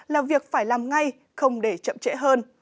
là việc phải làm ngay không để chậm trễ hơn